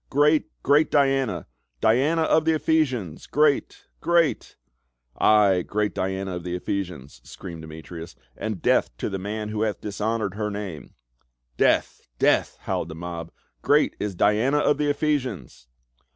" Great — Great Diana ! Diana of the Ephesians ! Great — great !" "Ay, great Diana of the Ephesians!" screamed Demetrius, " and death to the man who hath dishonored her name !" "Death! Death!" howled the mob. "Great is Diana of the Ephesians